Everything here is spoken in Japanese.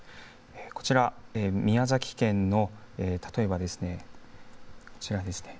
こちら、宮崎県の例えばですね、こちらですね。